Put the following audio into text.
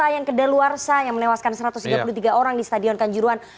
ada yang ke deluarsa yang melewaskan satu ratus tiga puluh tiga orang di stadion kanjuruhan